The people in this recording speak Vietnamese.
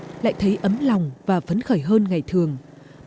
bởi trên tay chị có túi quà của công đoàn tỉnh tặng những công nhân có hoàn cảnh khó khăn